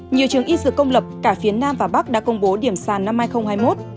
nhiều trường y dược công lập cả phía nam và bắc đã công bố điểm sàn năm hai nghìn hai mươi một